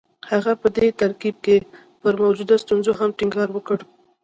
هغه په دې ترکيب کې پر موجودو ستونزو هم ټينګار وکړ.